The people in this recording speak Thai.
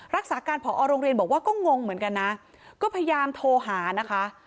รักษาการผอโรงเรียนบอกว่าก็งงเหมือนกันนะก็พยายามโทรหานะคะ